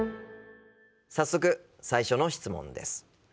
早速最初の質問です。